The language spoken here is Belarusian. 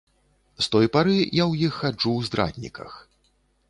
З той пары я ў іх хаджу ў здрадніках.